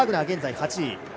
現在８位。